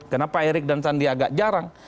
kenapa erik dan sandi agak jarang